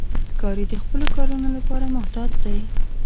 ښکاري د خپلو ښکارونو لپاره محتاط دی.